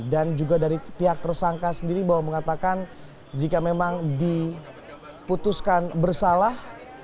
dan juga dari pihak tersangka sendiri bahwa mengatakan jika memang diputuskan bersalah